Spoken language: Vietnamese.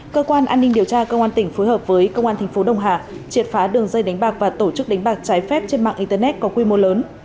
cơ quan an ninh điều tra cơ quan tỉnh phối hợp với cơ quan tp đông hà triệt phá đường dây đánh bạc và tổ chức đánh bạc trái phép trên mạng internet có quy mô lớn